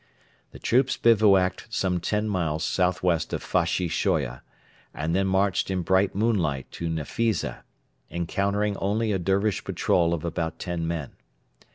The troops bivouacked some ten miles south west of Fashi Shoya, and then marched in bright moonlight to Nefisa, encountering only a Dervish patrol of about ten men.